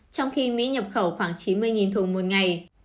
trong khi mỹ nhập khẩu khoảng chín mươi thùng một ngày